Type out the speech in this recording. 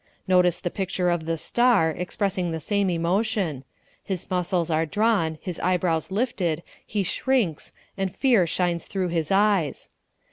Notice the picture of the "star" expressing the same emotion: his muscles are drawn, his eyebrows lifted, he shrinks, and fear shines through his eyes.